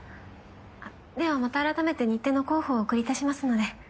あっではまた改めて日程の候補をお送りいたしますので。